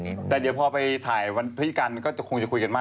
เมื่อเราไปไปที่ห้องแตกหน้า